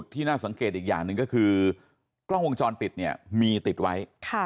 ที่น่าสังเกตอีกอย่างหนึ่งก็คือกล้องวงจรปิดเนี่ยมีติดไว้